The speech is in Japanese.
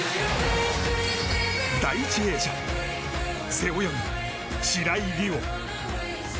第１泳者背泳ぎ、白井璃緒。